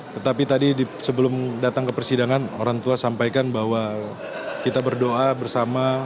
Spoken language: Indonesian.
tetapi tadi sebelum datang ke persidangan orang tua sampaikan bahwa kita berdoa bersama